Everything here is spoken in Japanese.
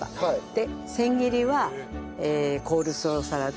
で千切りはコールスローサラダ